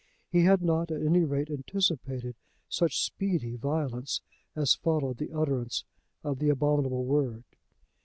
He had not at any rate anticipated such speedy violence as followed the utterance of the abominable word.